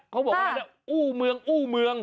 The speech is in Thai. เขาบอกว่าอู้เมืองอู้เมือง